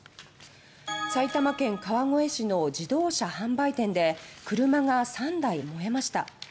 埼玉県川越市の自動車販売店で車が３台燃えました。